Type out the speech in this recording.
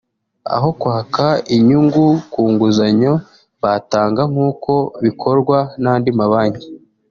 aho kwaka inyungu ku nguzanyo batanga nk’uko bikorwa n’andi mabanki